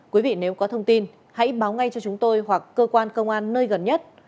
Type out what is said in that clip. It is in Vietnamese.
quý vị nếu có thông tin hãy báo ngay cho chúng tôi hoặc cơ quan công an nơi gần nhất